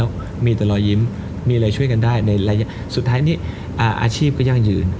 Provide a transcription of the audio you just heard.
แล้วมีแต่รอยยิ้มมีอะไรช่วยกันได้ในระยะสุดท้ายนี้อาชีพก็ยั่งยืน